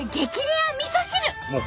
レアみそ汁。